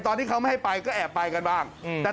ตอนที่เขาไม่ให้ไปก็แอบไปกันบ้าง